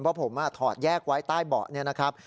เพราะผมถอดแยกไว้ใต้เบาะนี่นะครับ